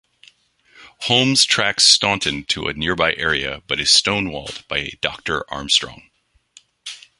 Holmes tracks Staunton to a nearby area but is stonewalled by a Doctor Armstrong.